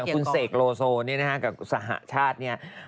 คุณเศษโลโซนี่นะครับกับสหชาตินี้